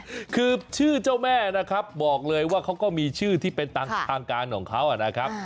คือชื่อเจ้าแม่นะครับบอกเลยว่าเขาก็มีชื่อที่เป็นทางการของเขานะครับ